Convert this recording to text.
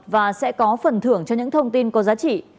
và sẽ có phần thưởng cho những thông tin có giá trị